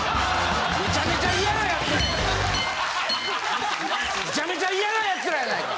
めちゃめちゃ嫌な奴ら！